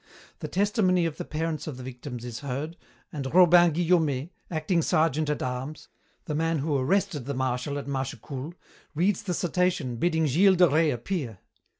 The testimony of the parents of the victims is heard, and Robin Guillaumet, acting sergeant at arms, the man who arrested the Marshal at Mâchecoul, reads the citation bidding Gilles de Rais appear.